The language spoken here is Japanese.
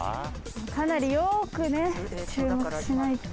かなりよくね注目しないと。